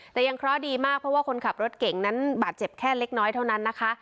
แต่ยังเคราะห์ดีมากเพราะว่าคนขับรถเก่งนั้นบาดเจ็บแค่เล็กน้อยเท่านั้นนะคะ